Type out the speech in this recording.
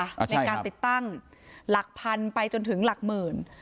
อ่าใช่ครับในการติดตั้งหลักพันไปจนถึงหลักหมื่น